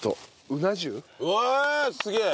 うわあすげえ！